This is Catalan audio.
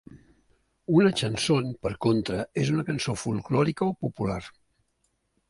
Una chanson, per contra, és una cançó folklòrica o popular.